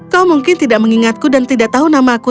kau mungkin tidak mengingatku dan tidak tahu namaku